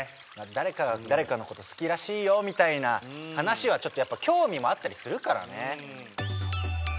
誰かが誰かのこと好きらしいよみたいな話はちょっとやっぱ興味もあったりするからね。